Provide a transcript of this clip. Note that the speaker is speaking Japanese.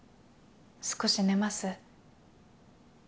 少し寝ます？